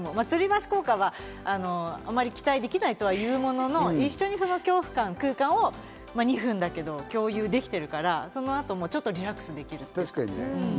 つり橋効果はあまり期待できないとはいうものの、一緒に恐怖も共有できてるから、そのあともちょっとリラックスする。